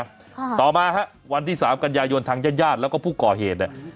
ค่ะต่อมาฮะวันที่สามกันยายนทางญาติญาติแล้วก็ผู้ก่อเหตุเนี่ย